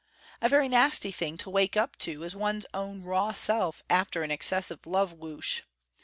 A very nasty thing to wake up to is one's own raw self after an excessive love whoosh.